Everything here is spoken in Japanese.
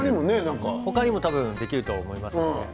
他にもできると思います。